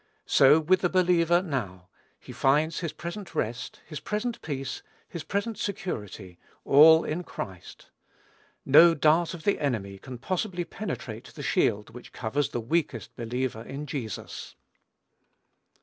So with the believer now: he finds his present rest, his present peace, his present security, all in Christ. No dart of the enemy can possibly penetrate the shield which covers the weakest believer in Jesus.